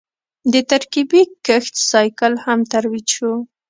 د ترکیبي کښت سایکل هم ترویج شو.